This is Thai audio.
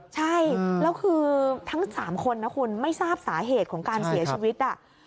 ใช่แล้วคือทั้ง๓คนนะคุณไม่ทราบสาเหตุของการเสียชีวิต